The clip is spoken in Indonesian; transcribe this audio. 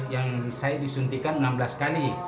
yang saya disuntikan enam belas kali